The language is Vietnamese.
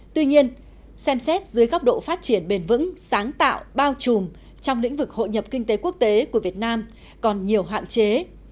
tuy nhiên xem xét dưới góc độ phát triển bền vững sáng tạo bao trùm trong lĩnh vực hội nhập kinh tế quốc tế của việt nam còn nhiều hạn chế